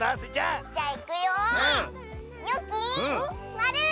まる！